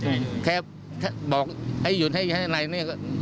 ไม่ได้เลยครับแค่บอกให้หยุดให้ในนั้น